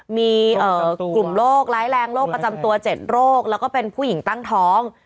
มีกลุ่มโรคร้ายแรงโรคประจำตัว๗โรคแล้วก็เป็นผู้หญิงตั้งท้อง